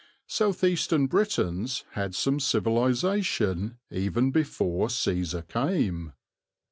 South eastern Britons had some civilization even before Cæsar came.